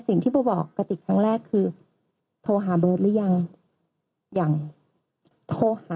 สิ่งที่บอกกติครั้งแรกคือโทห่าเบอร์ดหรือยังอย่างโทห่า